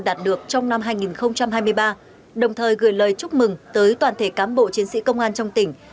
đạt được trong năm hai nghìn hai mươi ba đồng thời gửi lời chúc mừng tới toàn thể cán bộ chiến sĩ công an trong tỉnh